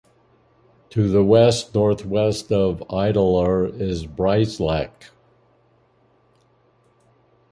To the west-northwest of Ideler is Breislak.